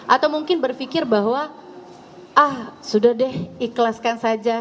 atau mungkin berpikir bahwa ah sudah deh ikhlaskan saja